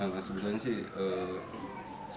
pangkas berdasarkan sih